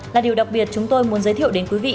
là điều đặc biệt chúng tôi muốn giới thiệu đến quý vị